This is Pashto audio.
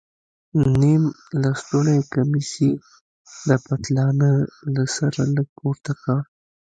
نيم لستوڼى کميس يې د پتلانه له سره لږ پورته کړ.